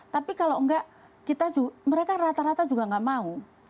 tapi kalau enggak mereka rata rata juga nggak mau